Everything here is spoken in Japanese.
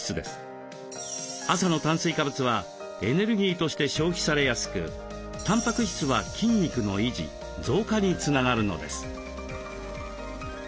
朝の炭水化物はエネルギーとして消費されやすくたんぱく質は筋肉の維持増加につながるのです。